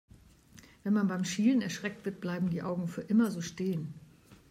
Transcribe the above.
Wenn man beim Schielen erschreckt wird, bleiben die Augen für immer so stehen.